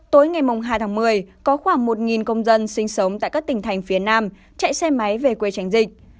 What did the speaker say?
tối ngày hai tháng một mươi có khoảng một công dân sinh sống tại các tỉnh thành phía nam chạy xe máy về quê tránh dịch